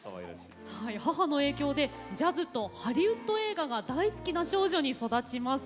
母の影響でジャズとハリウッド映画が大好きな少女に育ちます。